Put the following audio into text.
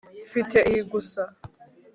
mfite iyi gusa